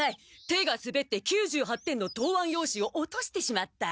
手がすべって９８点の答案用紙を落としてしまった。